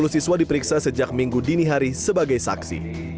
sepuluh siswa diperiksa sejak minggu dini hari sebagai saksi